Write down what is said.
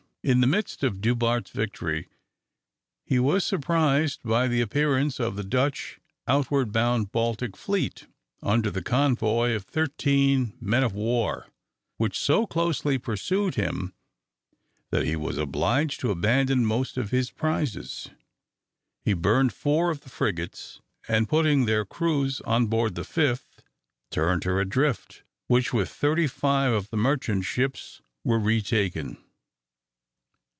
In the midst of Du Bart's victory, he was surprised by the appearance of the Dutch outward bound Baltic fleet, under the convoy of thirteen men of war, which so closely pursued him that he was obliged to abandon most of his prizes. He burned four of the frigates, and putting their crews on board the fifth, turned her adrift, which, with thirty five of the merchant ships, were retaken.